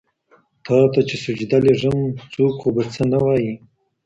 تاته چي سجده لېږم څوک خو به څه نه وايي